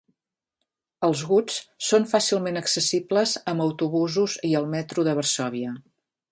Els Woods són fàcilment accessibles amb autobusos i el metro de Varsòvia.